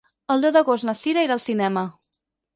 El deu d'agost na Cira irà al cinema.